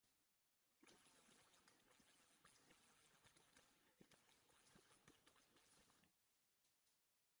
Txuri-urdinek norgehiagoka serioa jokatu dute eta nahikoa izan da puntu bat biltzeko.